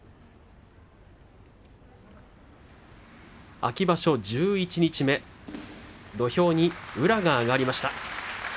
秋場所十一日目土俵に宇良が上がりました。